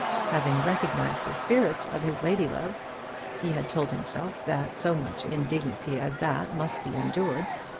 Having recognised the spirit of his lady love, he had told himself that so much indignity as that must be endured.